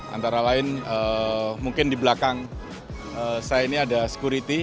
antara lain mungkin di belakang saya ini ada security